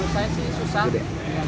susah sih susah